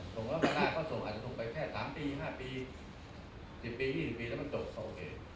ส่งฝรั่งหน้าก็ส่งอาจจะส่งไปแค่๓๕ปี๑๐๒๐ปีแล้วมันจบก็โอเค